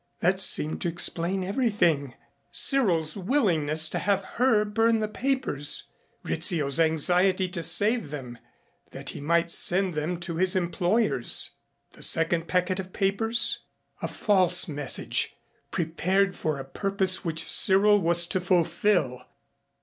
That seemed to explain everything Cyril's willingness to have her burn the papers, Rizzio's anxiety to save them, that he might send them to his employers. The second packet of papers? A false message, prepared for a purpose which Cyril was to fulfill.